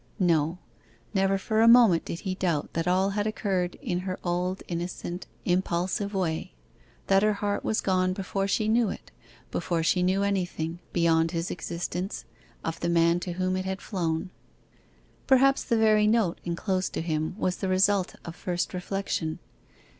No; never for a moment did he doubt that all had occurred in her old, innocent, impulsive way; that her heart was gone before she knew it before she knew anything, beyond his existence, of the man to whom it had flown. Perhaps the very note enclosed to him was the result of first reflection.